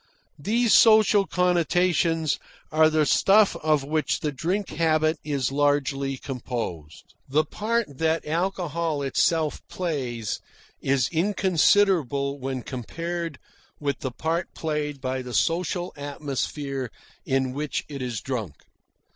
These social connotations are the stuff of which the drink habit is largely composed. The part that alcohol itself plays is inconsiderable when compared with the part played by the social atmosphere in which it is drunk.